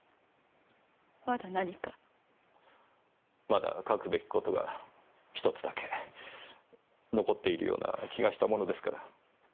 まだ書くべき事が１つだけ残っているような気がしたものですから。